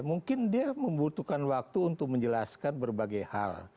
mungkin dia membutuhkan waktu untuk menjelaskan berbagai hal